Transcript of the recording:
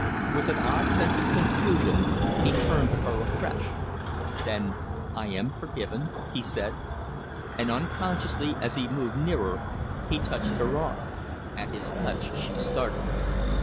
With an odd sense of confusion he turned to her afresh. "Then I am forgiven?" he said. And unconsciously, as he moved nearer, he touched her arm. At his touch she started.